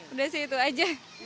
udah sih itu aja